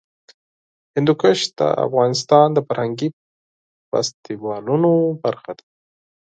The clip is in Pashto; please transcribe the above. هندوکش د افغانستان د فرهنګي فستیوالونو برخه ده.